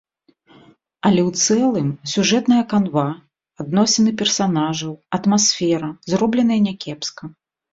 Але ў цэлым сюжэтная канва, адносіны персанажаў, атмасфера зробленыя някепска.